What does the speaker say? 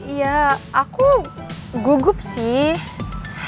iya aku gugup sih